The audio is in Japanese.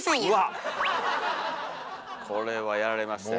これはやられましたよ。